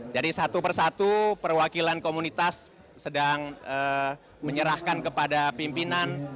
jadi satu persatu perwakilan komunitas sedang menyerahkan kepada pimpinan